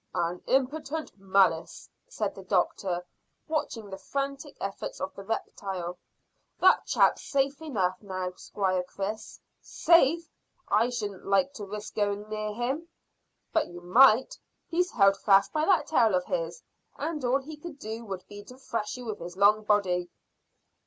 "In impotent malice," said the doctor, watching the frantic efforts of the reptile. "That chap's safe enough now, Squire Chris." "Safe! I shouldn't like to risk going near him." "But you might; he's held fast by that tail of his, and all he could do would be to thrash you with his long body."